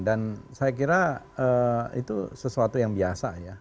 dan saya kira itu sesuatu yang biasa ya